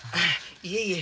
いえいえ。